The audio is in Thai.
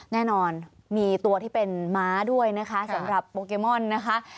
แน่นอนมีตัวที่เป็นม้าด้วยนะคะสำหรับโปเกมอนนะคะ